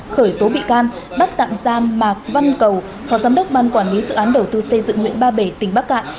khởi tố bị can bắt tạm giam mạc văn cầu phó giám đốc ban quản lý dự án đầu tư xây dựng huyện ba bể tỉnh bắc cạn